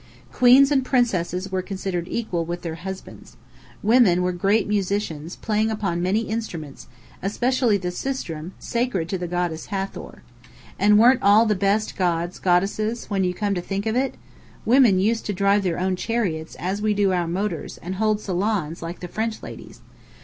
Queens and princesses were considered equal with their husbands. Women were great musicians, playing on many instruments, especially the sistrum, sacred to the goddess Hathor. And weren't all the best gods goddesses, when you come to think of it? Women used to drive their own chariots, as we do our motors, and hold salons, like the French ladies.